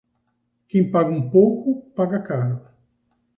Quem paga um pouco, paga caro.